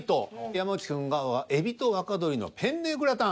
山内くんが「海老と若鶏のペンネグラタン」。